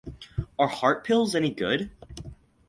Are heart pills any good?